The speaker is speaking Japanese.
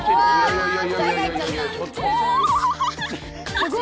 すごい！